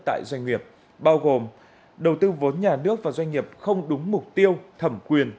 tại doanh nghiệp bao gồm đầu tư vốn nhà nước vào doanh nghiệp không đúng mục tiêu thẩm quyền